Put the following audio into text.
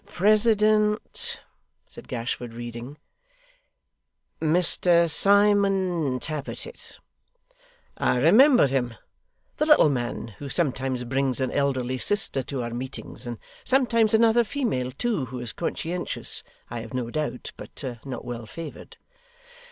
'President,' said Gashford, reading, 'Mr Simon Tappertit.' 'I remember him. The little man, who sometimes brings an elderly sister to our meetings, and sometimes another female too, who is conscientious, I have no doubt, but not well favoured?